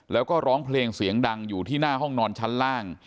แล้วก็ร้องเพลงเสียงดังอยู่ที่หน้าห้องนอนชั้นล่าง